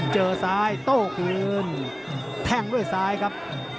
เจอซ้ายโต้คืนแท่งด้วยซ้ายครับ